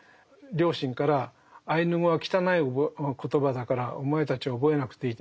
両親から「アイヌ語は汚い言葉だからお前たちは覚えなくていい。